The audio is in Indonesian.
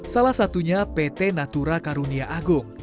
salah satunya pt natura karunia agung